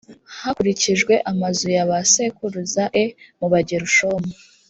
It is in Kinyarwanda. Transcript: hakurikijwe amazu ya ba sekuruza e mu bagerushomu